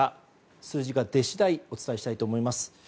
数字が出次第お伝えしたいと思います。